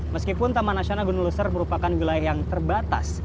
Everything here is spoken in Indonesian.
meskipun taman nasional gunung luser merupakan wilayah yang terbatas